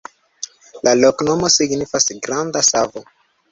La loknomo signifas: granda savo.